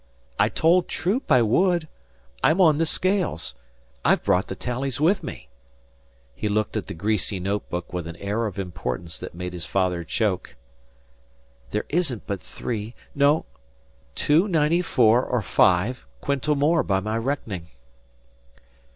"I told Troop I would. I'm on the scales. I've brought the tallies with me." He looked at the greasy notebook with an air of importance that made his father choke. "There isn't but three no two ninety four or five quintal more by my reckoning."